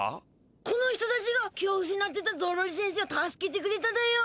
この人たちが気をうしなっていたゾロリせんせを助けてくれただよ。